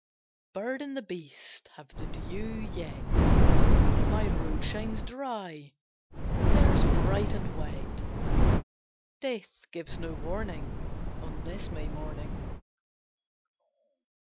Bird and the beast Have the dew yet; My road shines dry, Theirs bright and wet: Death gives no warning, On this May morning.